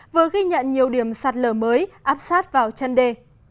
vừa ghi nhận nhiều điểm sạt lở mới áp sát vào chân đê